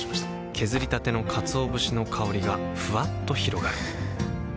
削りたてのかつお節の香りがふわっと広がるはぁ。